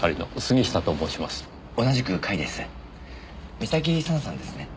三崎佐那さんですね？